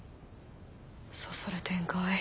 そそる展開。